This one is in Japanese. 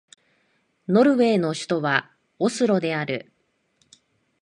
ノルウェーの首都はオスロである